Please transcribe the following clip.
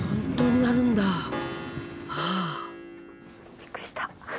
びっくりした。